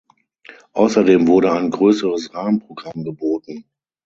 Außerdem wurde ein größeres Rahmenprogramm geboten.